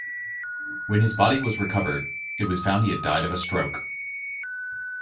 When his body was recovered, it was found he had died of a stroke.